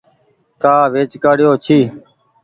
ڪآ ويچ ڪآڙيو ڇي۔